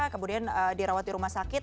kemudian dirawat di rumah sakit